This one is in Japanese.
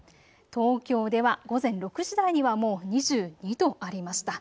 東京では午前６時台にはもう２２度ありました。